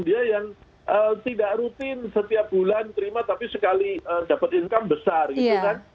dia yang tidak rutin setiap bulan terima tapi sekali dapat income besar gitu kan